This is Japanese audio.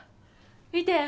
見て。